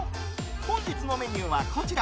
本日のメニューは、こちら。